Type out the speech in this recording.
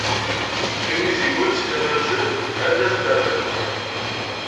Iwiziwen si tama-nsen ad as-d-rren.